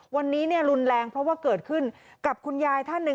วันนี้รุนแรงเพราะว่าเกิดขึ้นกับคุณยายท่านหนึ่ง